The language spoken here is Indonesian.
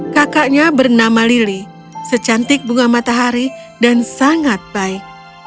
kakaknya bernama lili secantik bunga matahari dan sangat baik